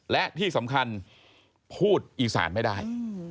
และที่สำคัญพูดอีสานไม่ได้